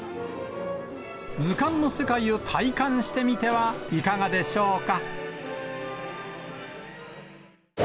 図鑑の世界を体感してみてはいかがでしょうか。